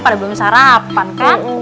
pada belum sarapan kan